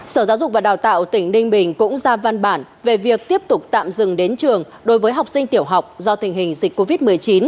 sở giáo dục và đào tạo tỉnh ninh bình cũng ra văn bản về việc tiếp tục tạm dừng đến trường đối với học sinh tiểu học do tình hình dịch covid một mươi chín